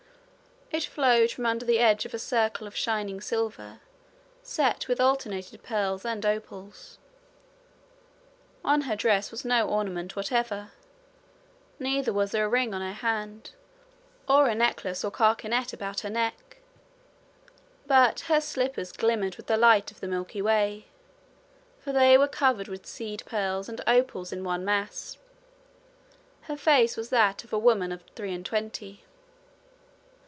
It flowed from under the edge of a circle of shining silver, set with alternated pearls and opals. On her dress was no ornament whatever, neither was there a ring on her hand, or a necklace or carcanet about her neck. But her slippers glimmered with the light of the Milky Way, for they were covered with seed pearls and opals in one mass. Her face was that of a woman of three and twenty.